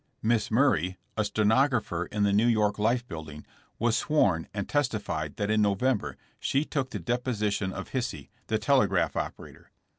"Miss Murray, a stenographer in the New York Life building, was sworn and testified that in Novem ber she took the deposition of Hisey, the telegraph operator.